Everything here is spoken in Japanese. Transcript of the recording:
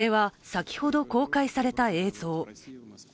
これは先ほど公開された映像。